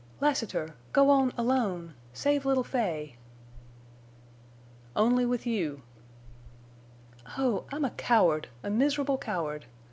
"Lassiter! Go on—alone! Save little Fay!" "Only with you!" "Oh!—I'm a coward—a miserable coward!